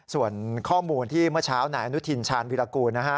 ส่วนข้อมูลที่เมื่อเช้านายอนุทินชาญวิรากูลนะฮะ